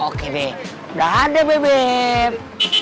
oke be dadah bebep